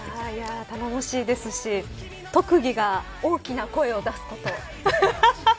頼もしいですし特技が大きな声を出すこと。